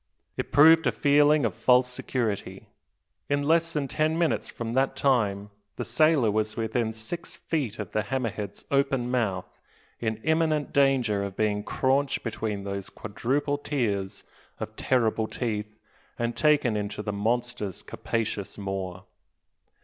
It proved a feeling of false security. In less than ten minutes from that time the sailor was within six feet of the "hammer head's" open mouth, in imminent danger of being craunched between those quadruple tiers of terrible teeth, and taken into the monster's capacious maw.